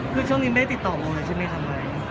คือช่วงนี้ไม่ได้ติดต่อเลยใช่มั้ยคะ